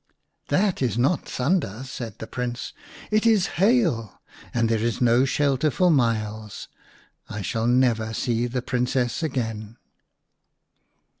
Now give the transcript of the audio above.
" That is not thunder," said the Prince; "it is hail, and there is no shelter for miles. I shall never see the Princess again."